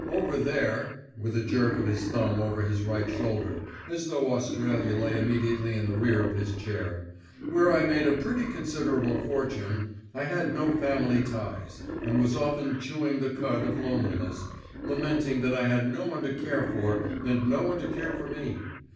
Over there" with a jerk of his thumb over his right shoulder, as though Australia lay immediately in the rear of his chair "where I made a pretty considerable fortune, I had no family ties, and was often chewing the cud of loneliness, lamenting that I had no one to care for, and no one to care for me.